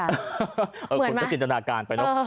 เหมือนมั้ยคุณก็จินจำนาการไปเนอะ